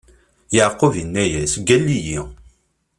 Yeɛqub inna-as: Gall-iyi!